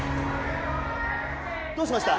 どうしました？